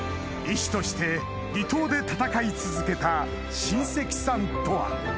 医師として離島で闘い続けた親戚さんとは？